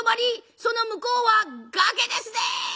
その向こうは崖ですぜ！」。